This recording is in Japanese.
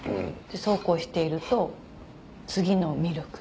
そうこうしていると次のミルク。